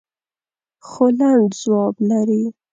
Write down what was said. خو لنډ ځواب لري.